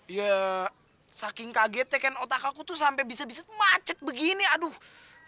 ya saking kaget ya ken otak aku tuh sampe bisa bisa macet begini aduh